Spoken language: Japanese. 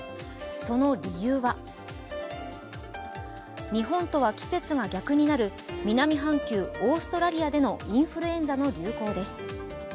その理由は日本とは季節が逆になる南半球・オーストラリアでのインフルエンザの流行です。